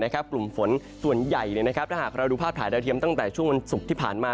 กลุ่มฝนส่วนใหญ่ถ้าหากเราดูภาพถ่ายดาวเทียมตั้งแต่ช่วงวันศุกร์ที่ผ่านมา